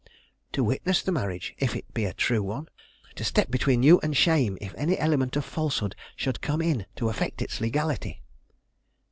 "To witness the marriage, if it be a true one; to step between you and shame if any element of falsehood should come in to affect its legality."